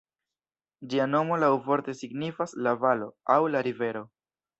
Ĝia nomo laŭvorte signifas "la valo" aŭ "la rivero".